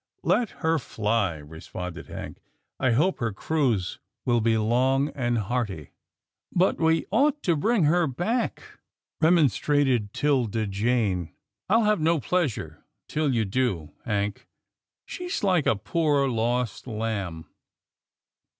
" Let her fly," responded Hank, " I hope her cruise will be long and hearty." " But we ought to bring her back," remonstrated 'Tilda Jane, " I'll have no pleasure till you do. Hank. She's like a poor lost lamb."